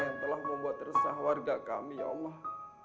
yang telah membuat resah warga kami ya allah